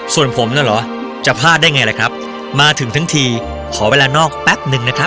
ส่วนผมน่ะเหรอจะพลาดได้ไงล่ะครับมาถึงทั้งทีขอเวลานอกแป๊บหนึ่งนะครับ